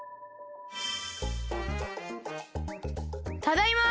ただいま。